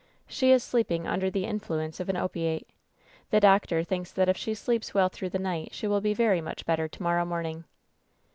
"She is sleeping under the influence of an opiate. The doctor thinks that if she sleeps well through the night she will be very much better to morrow morning."